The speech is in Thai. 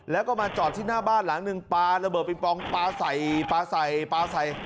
แล้วก็มาจอดที่หน้าบ้านหลังหนึ่งปลาระเบิดปิงปองปลาใส่ปลาใส่ปลาใส่